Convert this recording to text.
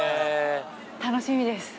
◆楽しみです。